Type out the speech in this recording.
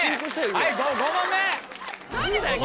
はい５問目！